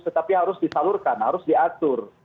tetapi harus disalurkan harus diatur